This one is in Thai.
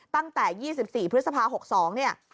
ตั้งแต่๒๔พฤษภา๖๒เนี่ย